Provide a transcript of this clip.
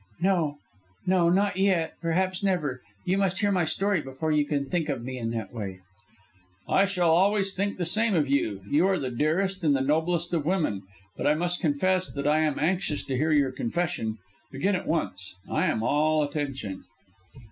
"No, no, not yet, perhaps never. You must hear my story before you can think of me in that way." "I shall always think the same of you. You are the dearest and the noblest of women. But I must confess that I am anxious to hear your confession. Begin at once; I am all attention."